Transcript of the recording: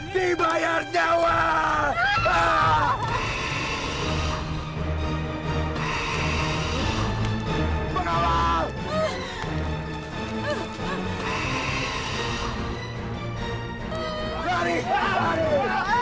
terima kasih dan lagi maaf penyayang